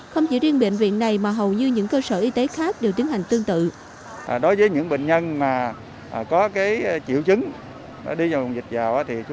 không chỉ riêng bệnh viện này mà hầu như những cơ sở y tế khác đều tiến hành tương tự